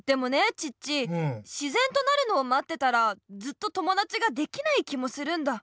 チッチ自然となるのをまってたらずっと友だちができない気もするんだ。